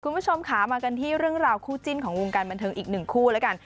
คุณผู้ชมค่ะมากันที่เรื่องราวคู่จิ้นของวงการบันเทิงอีกหนึ่งคู่แล้วกัน